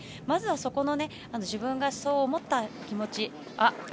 まずは、そこの、自分がそう思った気持ち。